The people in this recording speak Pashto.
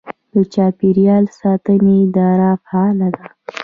د چاپیریال ساتنې اداره فعاله ده.